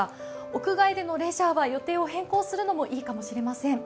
屋外でのレジャーは予定を変更するのもいいかもしれません。